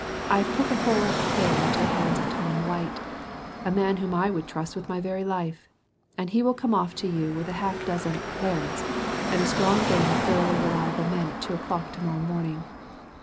I have put the whole affair into the hands of Tom White a man whom I would trust with my very life and he will come off to you with half a dozen `lerrets' and a strong gang of thoroughly reliable men at two o'clock to morrow morning.